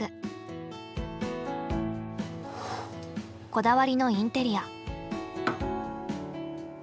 こだわりのインテリア。